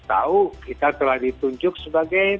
tahu kita telah ditunjuk sebagai